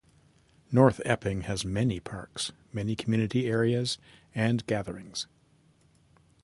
North Epping has many parks, many community areas and gatherings.